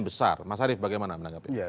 besar mas harif bagaimana menanggapnya